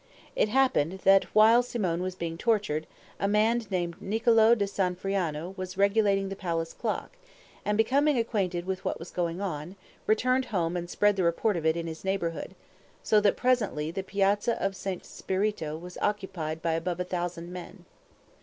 It happened that while Simone was being tortured, a man named Niccolo da San Friano was regulating the palace clock, and becoming acquainted with what was going on, returned home and spread the report of it in his neighborhood, so that presently the piazza of St. Spirito was occupied by above a thousand men.